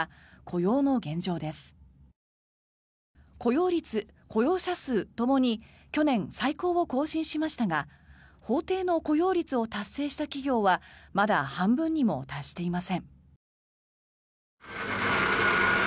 雇用率、雇用者数ともに去年、最高を更新しましたが法定の雇用率を達成した企業はまだ半分にも達していません。